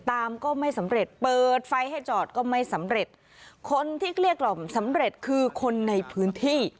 ก็ไม่สำเร็จเปิดไฟให้จอดก็ไม่สำเร็จคนที่เกลี้ยกล่อมสำเร็จคือคนในพื้นที่